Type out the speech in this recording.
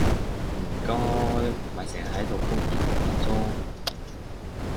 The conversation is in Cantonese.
唔該咪成日喺度煲電話粥